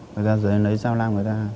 người ta lấy dao lam người ta